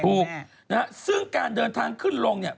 ถูกนะฮะซึ่งการเดินทางขึ้นลงเนี่ย